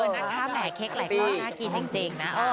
นั่งข้าวแหมเค้กแหละก็น่ากินเจ๋งนะ